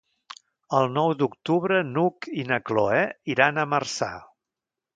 El nou d'octubre n'Hug i na Cloè iran a Marçà.